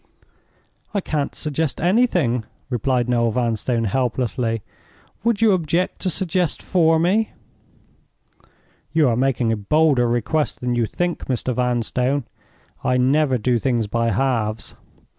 "I can't suggest anything," replied Noel Vanstone, helplessly. "Would you object to suggest for me?" "You are making a bolder request than you think, Mr. Vanstone. I never do things by halves.